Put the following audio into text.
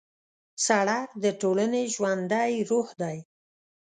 سړک د ټولنې ژوندی روح دی.